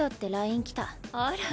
あら。